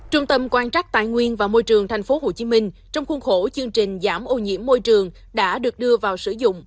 trung tâm quan trắc tài nguyên và môi trường tp hcm trong khuôn khổ chương trình giảm ô nhiễm môi trường đã được đưa vào sử dụng